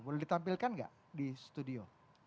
boleh ditampilkan nggak di studio